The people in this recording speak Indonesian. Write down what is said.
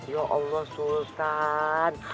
ya allah sultan